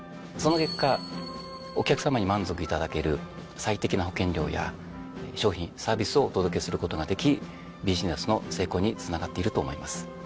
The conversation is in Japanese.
その結果お客さまに満足いただける最適な保険料や商品サービスをお届けすることができビジネスの成功につながっていると思います。